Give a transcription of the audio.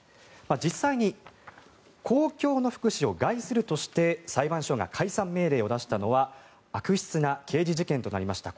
実際に公共の福祉を害するとして裁判所が解散命令を出したのは悪質な刑事事件となりました